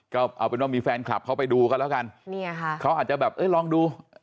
ก็เอาเป็นว่ามีแฟนคลับเขาไปดูกันแล้วกันเนี่ยค่ะเขาอาจจะแบบเอ้ยลองดู